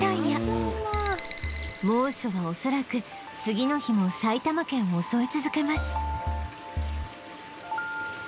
猛暑は恐らく次の日も埼玉県を襲い続けます